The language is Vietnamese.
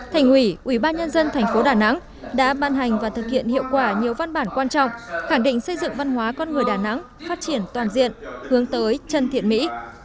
thành ủy ubnd tp đà nẵng đã ban hành và thực hiện hiệu quả nhiều văn bản quan trọng khẳng định xây dựng văn hóa con người đà nẵng phát triển toàn diện hướng tới chân thiện mỹ